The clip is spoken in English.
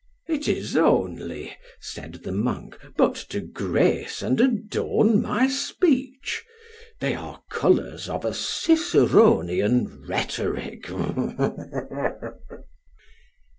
It is only, said the monk, but to grace and adorn my speech. They are colours of a Ciceronian rhetoric.